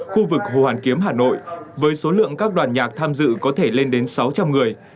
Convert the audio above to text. khu vực hồ hoàn kiếm hà nội với số lượng các đoàn nhạc tham dự có thể lên đến sáu trăm linh người